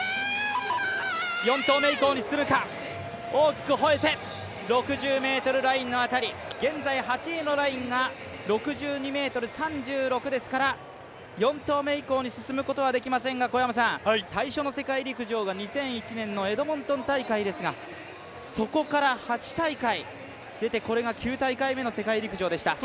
４投目以降に進めるか６０ｍラインの辺り現在８位のラインが６０ｍ３６ですから４投目以降に進むことはできませんが最初の世界陸上が２００１年のエドモンド大会ですがそこから８大会出てこれが９大会目の世界陸上でした。